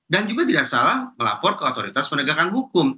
dan juga tidak salah melapor ke otoritas penegakan hukum